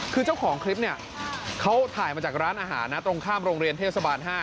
คือเจ้าของคลิปเนี่ยเขาถ่ายมาจากร้านอาหารนะตรงข้ามโรงเรียนเทศบาล๕